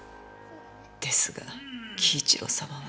ですが輝一郎様は。